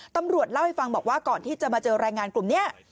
ตำรวจเล่าให้ฟังบอกว่าก่อนที่จะมาเจอแรงงานกลุ่มนี้